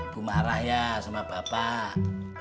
ibu marah ya sama bapak